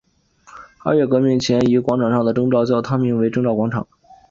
二月革命前以广场上的征兆教堂名为征兆广场。